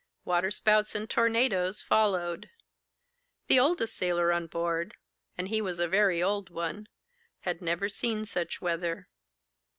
Waterspouts and tornadoes followed. The oldest sailor on board—and he was a very old one—had never seen such weather.